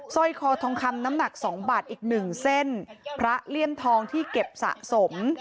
ร้อยคอทองคำน้ำหนักสองบาทอีกหนึ่งเส้นพระเลี่ยมทองที่เก็บสะสม